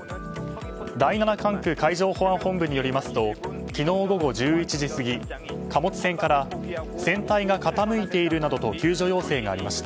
第７管区海上保安本部によりますと昨日午後１１時過ぎ貨物船から船体が傾いているなどと救助要請がありました。